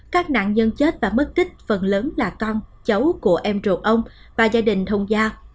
các nạn nhân chết và mất tích phần lớn là con cháu của em ruột ông và gia đình thùng gia